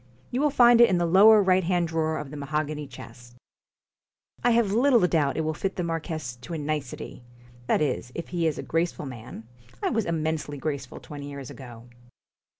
You will find it in the lower right hand drawer of the mahogany chest. I have little doubt it will fit the marquess to a nicety that is, if he is a graceful man I was immensely graceful twenty years ago.'